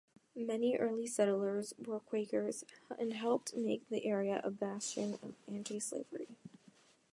Many early settlers were Quakers and helped make the area a bastion of anti-slavery.